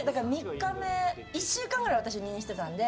１週間ぐらい私、入院してたので。